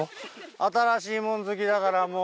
新しいもん好きだからもう。